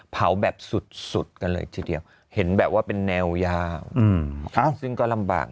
แบบสุดกันเลยทีเดียวเห็นแบบว่าเป็นแนวยาวซึ่งก็ลำบาก